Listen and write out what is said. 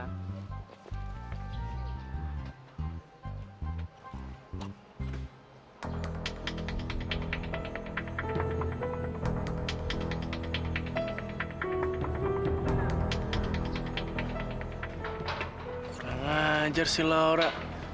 kurang ajar sih laura